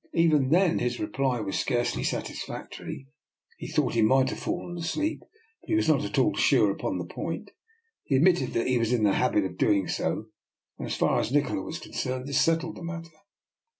Even then his reply was scarcely DR. NIKOLA'S EXPERIMENT. 249 satisfactory; he thought he might have fallen asleep, but he was not at all sure upon the point. He admitted that he was in the habit of doing so; and as far as Nikola was con cerned, this settled the matter.